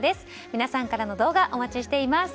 皆さんからの動画お待ちしています。